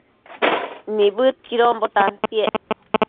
Nibëdquidonbo tantiec